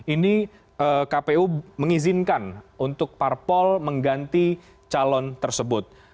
ini kpu mengizinkan untuk parpol mengganti calon tersebut